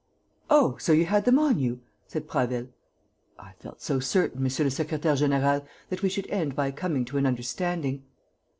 "Oh, so you had them on you?" said Prasville. "I felt so certain, monsieur le secrétaire; général, that we should end by coming to an understanding."